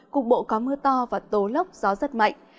cục bộ có mưa to và tố lốc gió giật mạnh